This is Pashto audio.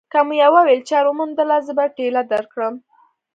که مو یوه ویلچېر وموندله، زه به ټېله درکړم.